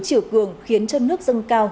chiều cường khiến chân nước dâng cao